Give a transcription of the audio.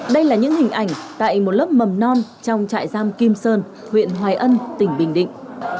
đây là những hình ảnh tại một lớp mầm non trong trại giam kim sơn huyện hoài ân tỉnh bình định